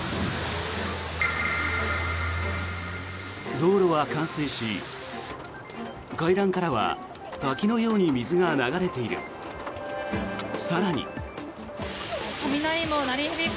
道路は冠水し、階段からは滝のように水が流れている。